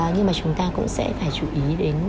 nhưng mà chúng ta cũng sẽ phải chú ý đến